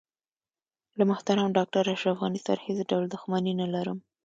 له محترم ډاکټر اشرف غني سره هیڅ ډول دښمني نه لرم.